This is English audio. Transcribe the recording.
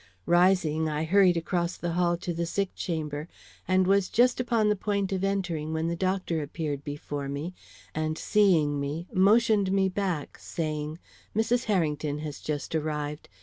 Rising, I hurried across the hall to the sick chamber, and was just upon the point of entering, when the doctor appeared before me, and seeing me, motioned me back, saying: "Mrs. Harrington has just arrived.